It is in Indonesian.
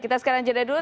kita sekarang jeda dulu